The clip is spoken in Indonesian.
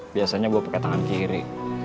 biasanya gua pake tangan kiri